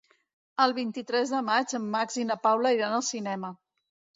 El vint-i-tres de maig en Max i na Paula iran al cinema.